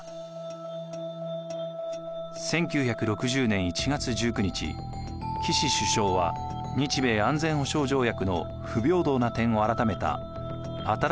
１９６０年１月１９日岸首相は日米安全保障条約の不平等な点を改めた新しい安保条約に調印しました。